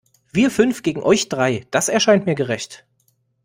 Wir fünf gegen euch drei, das erscheint mir gerecht.